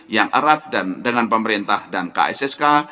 yang erat dengan pemerintah dan kssk